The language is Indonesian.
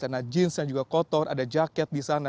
ada sepatu kotor di sana ada jenis yang juga kotor ada jaket di sana